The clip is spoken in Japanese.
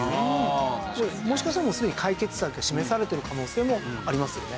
もしかしたらもうすでに解決策が示されてる可能性もありますよね。